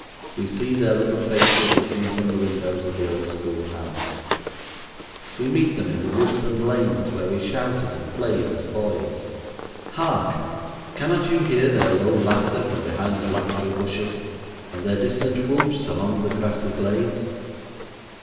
We see their little faces looking from the windows of the old school house. We meet them in the woods and lanes where we shouted and played as boys. Hark! cannot you hear their low laughter from behind the blackberry bushes and their distant whoops along the grassy glades?